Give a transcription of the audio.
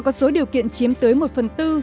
có số điều kiện chiếm tới một phần tư